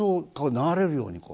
流れるようにこう。